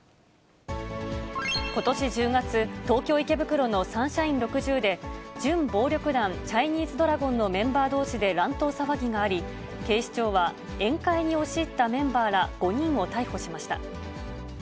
ことし１０月、東京・池袋のサンシャイン６０で、準暴力団、チャイニーズドラゴンのメンバーどうしで乱闘騒ぎがあり、警視庁は宴会に押し入ったメンバーら５人を逮捕しました。